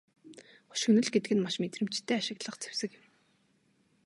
Хошигнол гэдэг нь маш мэдрэмжтэй ашиглах зэвсэг юм.